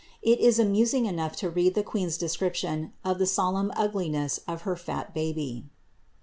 It is amusing enough to read ! queen^s description of the solemn ugliness of her fat baby.